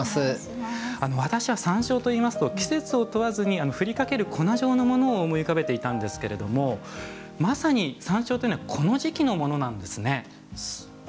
私は山椒といいますと季節を問わずにふりかける粉状のものを思い浮かべていたんですけどまさに、山椒というのはこの時期のものなんですね。